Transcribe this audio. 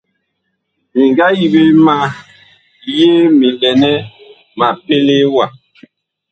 Mi nga yi ɓe ma yee mi lɛ nɛ ma pelee wa.